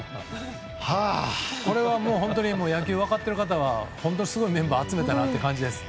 これは野球を分かっている方は本当に、すごいメンバー集めたなって感じです。